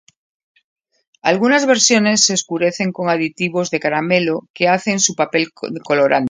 Algunas versiones se oscurecen con aditivos de caramelo que hacen su papel colorante.